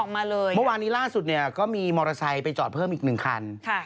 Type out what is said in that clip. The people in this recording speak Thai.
มาเลยเมื่อวานนี้ล่าสุดเนี่ยก็มีมอเตอร์ไซค์ไปจอดเพิ่มอีกหนึ่งคัน